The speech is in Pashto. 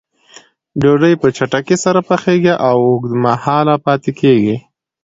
ډوډۍ په چټکۍ سره پخیږي او اوږد مهاله پاتې کېږي.